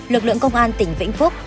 lực lượng công an tỉnh vĩnh phúc